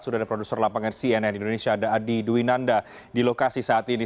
sudah ada produser lapangan cnn indonesia ada adi dwinanda di lokasi saat ini